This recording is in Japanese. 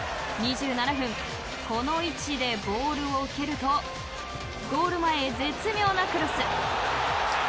２７分この位置でボールを受けるとゴール前、絶妙なクロス。